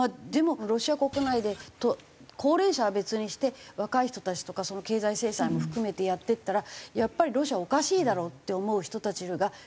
でもロシア国内で高齢者は別にして若い人たちとか経済制裁も含めてやっていったらやっぱりロシアおかしいだろうって思う人たちが。